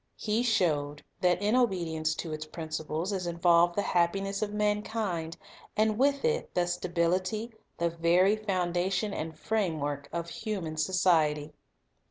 He showed that in obedience to its principles is involved the happiness of mankind, and with it the stability, the very foundation and framework, of human society.